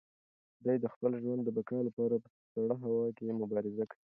دی د خپل ژوند د بقا لپاره په سړه هوا کې مبارزه کوي.